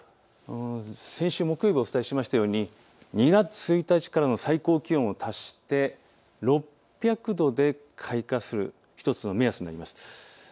先週、木曜日お伝えしましたように２月１日からの最高気温を足して６００度で開花する１つの目安になります。